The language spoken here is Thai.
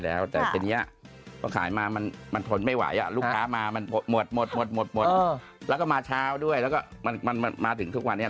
เหมือนโชคดีครับพอหลุดพ้นโควิดมาชีวิตก็ดีขึ้นเลย